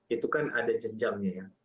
itu kan ada jenjangnya ya